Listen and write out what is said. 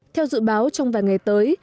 theo dự báo trong vài ngày tới